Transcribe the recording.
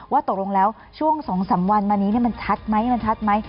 ว่าตกลงแล้วช่วงสองสามวันมานี้เนี่ยมันชัดไหมมันชัดไหม